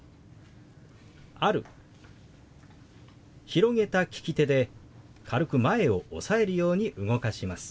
広げた利き手で軽く前を押さえるように動かします。